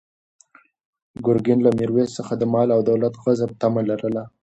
ګرګین له میرویس څخه د مال او دولت د غصب طمع لرله.